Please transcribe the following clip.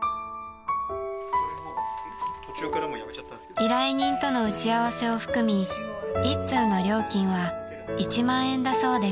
［依頼人との打ち合わせを含み１通の料金は１万円だそうです］